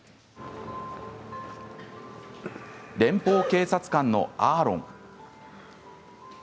連邦警察官のアーロン。